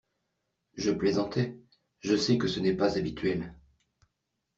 Je plaisantais, je sais que ce n’est pas habituel.